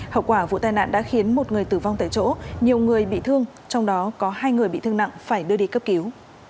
hậu quả vụ tai nạn đã khiến một người tử vong tại chỗ nhiều người bị thương trong đó có hai người bị thương nặng phải đưa đi cấp cứu